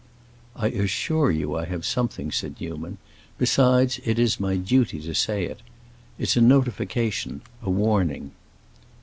"I assure you I have something," said Newman, "besides, it is my duty to say it. It's a notification—a warning."